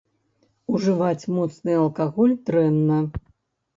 Ужываць моцны алкаголь дрэнна!